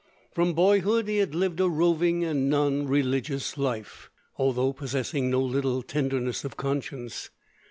From boyhood he had lived a roving and non religious life, although possessing no little tenderness of conscience.